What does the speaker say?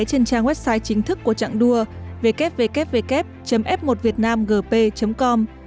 trên trang website chính thức của trạng đua www f một vietnamgp com